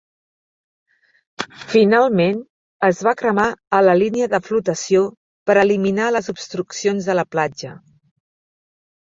Finalment es va cremar a la línia de flotació per eliminar les obstruccions de la platja.